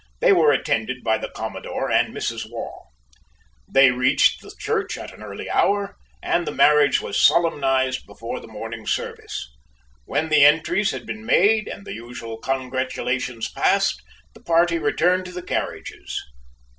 They were attended by the commodore and Mrs. Waugh. They reached the church at an early hour, and the marriage was solemnized before the morning service. When the entries had been made, and the usual congratulations passed, the party returned to the carriages.